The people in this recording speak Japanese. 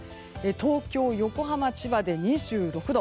東京、横浜、千葉で２６度。